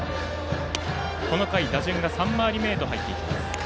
この回、打順が３回り目へと入っていきます。